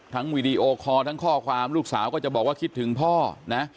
วีดีโอคอร์ทั้งข้อความลูกสาวก็จะบอกว่าคิดถึงพ่อนะ